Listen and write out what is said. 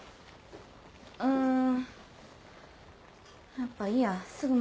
やっぱいいやすぐ戻る。